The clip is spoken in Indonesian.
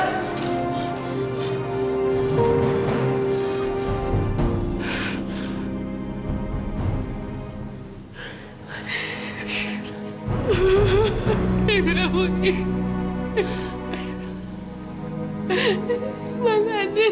mak cita itu belum meninggal pak